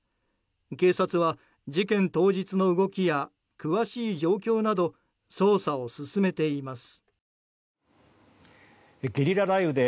警察は事件当日の動きや詳しい状況など捜査を進めています。